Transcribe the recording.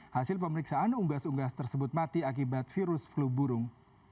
hasil pemeriksaan unggas unggas tersebut mati akibat virus flu burung